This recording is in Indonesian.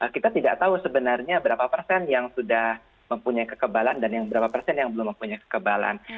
kita tidak tahu sebenarnya berapa persen yang sudah mempunyai kekebalan dan yang berapa persen yang belum mempunyai kekebalan